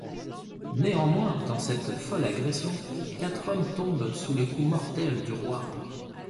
Néanmoins, dans cette folle agression, quatre hommes tombent sous les coups mortels du roi.